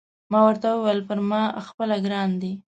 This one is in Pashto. ما ورته وویل: پر ما خپله ګران دی.